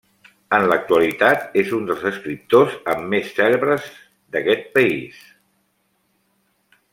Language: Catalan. En l'actualitat és un dels escriptors amb més cèlebres d'aquest país.